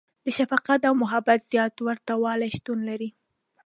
• د شفقت او محبت زیات ورتهوالی شتون لري.